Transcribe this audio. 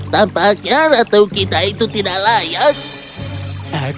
tampaknya ratu kita itu tidak layak